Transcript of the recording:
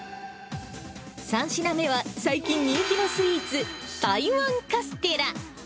３品目は、最近人気のスイーツ、台湾カステラ。